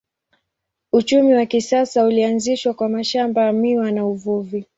Uchumi wa kisasa ulianzishwa kwa mashamba ya miwa na uvuvi.